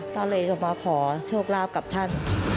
ต้องเลยมาขอโชคลาภกับท่าน